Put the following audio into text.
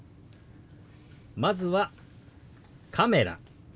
まずは「カメラ」。